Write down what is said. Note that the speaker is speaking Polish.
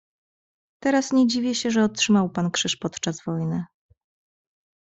"Teraz nie dziwię się, że otrzymał pan krzyż podczas wojny."